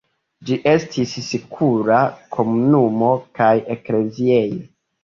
Ĝi estis sikula komunumo kaj ekleziejo.